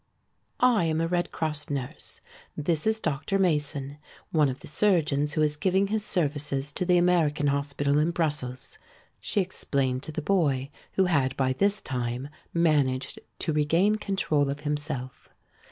"I am a Red Cross nurse. This is Dr. Mason, one of the surgeons who is giving his services to the American hospital in Brussels," she explained to the boy, who had by this time managed to regain control of himself.